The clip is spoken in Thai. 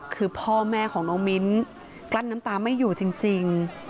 คือพ่อแม่ของน้องมิ้นกลั้นน้ำตาไม่อยู่จริง